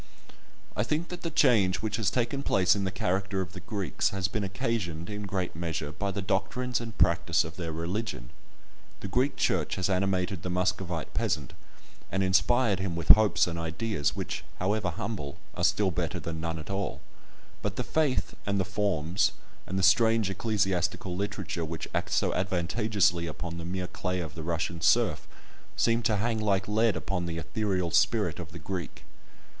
I think that the change which has taken place in the character of the Greeks has been occasioned, in great measure, by the doctrines and practice of their religion. The Greek Church has animated the Muscovite peasant, and inspired him with hopes and ideas which, however humble, are still better than none at all; but the faith, and the forms, and the strange ecclesiastical literature which act so advantageously upon the mere clay of the Russian serf, seem to hang like lead upon the ethereal spirit of the Greek.